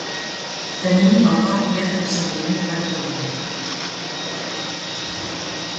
Tenir el cor ple de ressentiment i rancúnia.